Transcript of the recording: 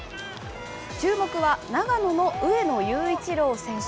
注目は、長野の上野裕一郎選手。